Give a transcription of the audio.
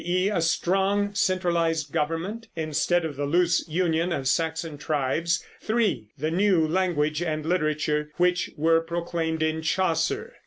e. a strong centralized government, instead of the loose union of Saxon tribes; (3) the new language and literature, which were proclaimed in Chaucer.